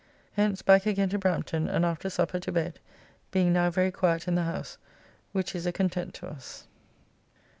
Hence back again to Brampton and after supper to bed, being now very quiet in the house, which is a content to us.